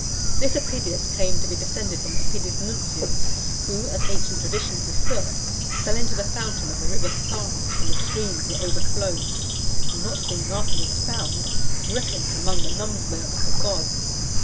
This Epidius claimed to be descended from Epidius Nuncio, who, as (528) ancient traditions assert, fell into the fountain of the river Sarnus when the streams were overflown, and not being afterwards found, was reckoned among the number of the gods.